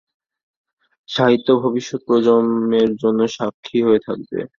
সাহিত্য ভবিষ্যৎ প্রজন্মের জন্য সাক্ষী হয়ে থাকবে।